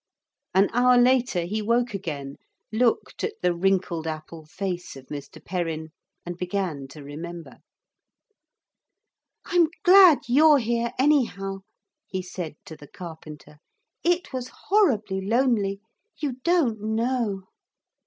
An hour later he woke again, looked at the wrinkled apple face of Mr. Perrin and began to remember. 'I'm glad you're here anyhow,' he said to the carpenter; 'it was horribly lonely. You don't know.'